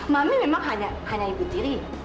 mami memang hanya ikut diri